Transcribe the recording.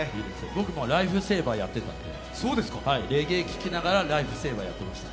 僕もライフセーバーやってたんで、レゲエ聞きながらライフセーバーやってました。